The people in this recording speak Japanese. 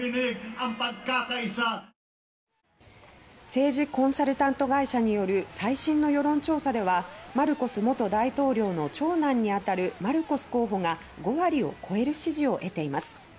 政治コンサルタント会社による最新の世論調査ではマルコス元大統領の長男にあたるマルコス候補が５割を超える支持を得ています。